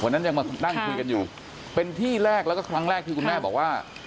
นั้นยังมานั่งคุยกันอยู่เป็นที่แรกแล้วก็ครั้งแรกที่คุณแม่บอกว่า